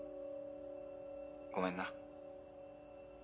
ごめんな。